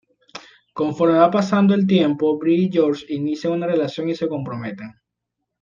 Conforme va pasando el tiempo, Bree y George inician una relación y se comprometen.